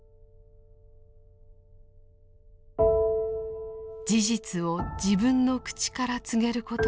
事実を自分の口から告げることになるのか。